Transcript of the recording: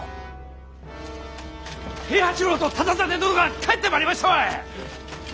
平八郎と忠真殿が帰ってまいりましたわい！